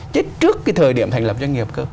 chết trước cái thời điểm thành lập doanh nghiệp